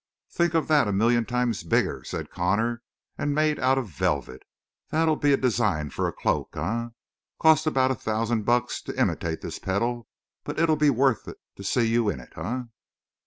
"Think of that a million times bigger," said Connor, "and made out of velvet. That'd be a design for a cloak, eh? Cost about a thousand bucks to imitate this petal, but it'd be worth it to see you in it, eh?"